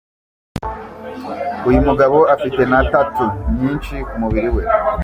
Uyu mugabo afite na Tattoos nyinshi ku mubiri we.